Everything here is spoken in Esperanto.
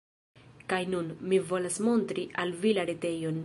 Kaj nun, mi volas montri al vi la retejon!